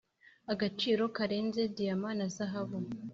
agaciro karenze diyama na zahabu